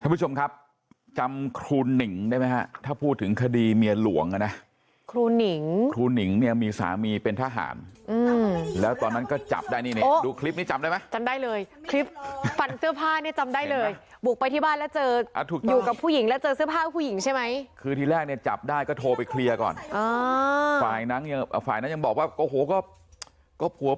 ผู้ชมครับจำครูหนิงได้ไหมฮะถ้าพูดถึงคดีเมียหลวงอ่ะนะครูหนิงครูหนิงเนี่ยมีสามีเป็นทหารอืมแล้วตอนนั้นก็จับได้นี่นี่ดูคลิปนี้จำได้ไหมจำได้เลยคลิปฟันเสื้อผ้าเนี่ยจำได้เลยบุกไปที่บ้านแล้วเจออยู่กับผู้หญิงแล้วเจอเสื้อผ้าผู้หญิงใช่ไหมคือที่แรกเนี่ยจับได้ก็โทรไปเคลียร์ก่อนอ่าฝ่ายนั้นยังฝ่ายนั้นยังบอกว่าโอ้โหก็ก็กลัว